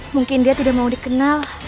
mungkin dia tidak mau dikenal